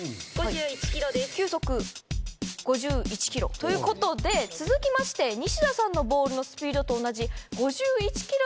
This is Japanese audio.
球速５１ｋｍということで続きましてニシダさんのボールのスピードと同じ。